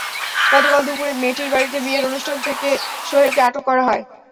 গতকাল দুপুরে মেয়েটির বাড়িতে বিয়ের অনুষ্ঠান থেকে সোহেলকে আটক করা হয়।